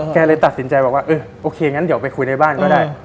แกเลยตัดสินใจว่าโอเคอย่างนั้นเดี๋ยวไปคุยในบ้านก็ได้